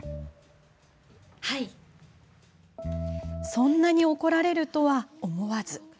そんなに怒られるとは思わず。